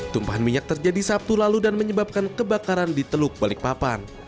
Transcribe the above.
tumpahan minyak terjadi sabtu lalu dan menyebabkan kebakaran di teluk balikpapan